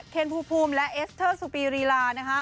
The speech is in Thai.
เคนภูมิและเอสเตอร์สุปีรีลานะคะ